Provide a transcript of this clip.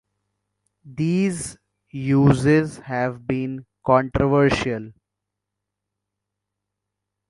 These uses have been controversial.